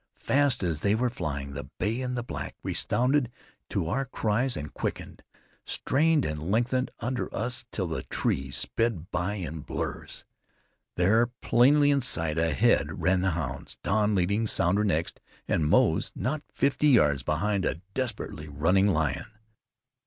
Fast as they were flying, the bay and the black responded to our cries, and quickened, strained and lengthened under us till the trees sped by in blurs. There, plainly in sight ahead ran the hounds, Don leading, Sounder next, and Moze not fifty yards, behind a desperately running lion.